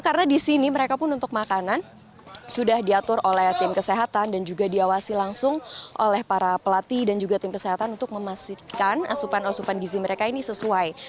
karena di sini mereka pun untuk makanan sudah diatur oleh tim kesehatan dan juga diawasi langsung oleh para pelatih dan juga tim kesehatan untuk memastikan asupan asupan gizi mereka ini